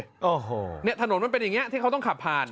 โอ้โหเนี่ยถนนมันเป็นอย่างนี้ที่เขาต้องขับผ่าน